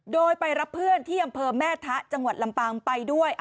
โดยไปรับเพื่อนที่อำเภอแม่ทะจังหวัดลำปางไปด้วย